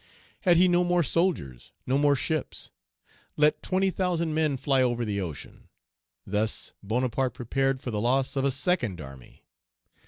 Had he no more soldiers, no more ships? Let twenty thousand men fly over the ocean. Thus Bonaparte prepared for the loss of a second army.